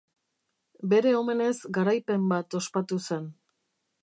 Bere omenez garaipen bat ospatu zen.